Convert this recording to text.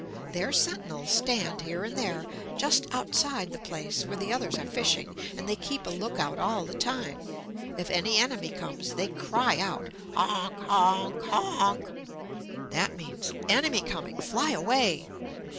Their sentinels stand here and there just outside the place where the others are fishing; and they keep a lookout all the time. If any enemy comes, they cry out, "Honk! Honk! Honk!" That means, "Enemy coming! Fly away!"